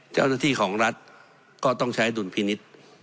เจ้าหน้าที่ของรัฐก็ต้องใช้ดุลพินิษฐ์